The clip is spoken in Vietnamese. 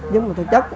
nhưng mà thực chất